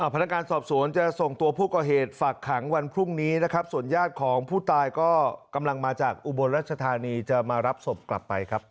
พนักงานสอบสวนจะส่งตัวผู้ก่อเหตุฝากขังวันพรุ่งนี้นะครับส่วนญาติของผู้ตายก็กำลังมาจากอุบลรัชธานีจะมารับศพกลับไปครับ